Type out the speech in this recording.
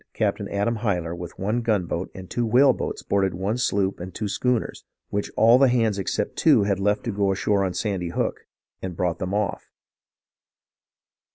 Capt. Adam Hyler with one gunboat and two whale boats boarded one sloop and two schooners, which all the hands except two had left to go ashore on Sandy Hook, and brought them off.